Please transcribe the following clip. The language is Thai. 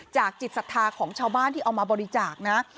จิตศรัทธาของชาวบ้านที่เอามาบริจาคนะ